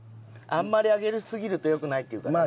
あんまりあげすぎると良くないっていうから。